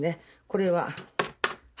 これは。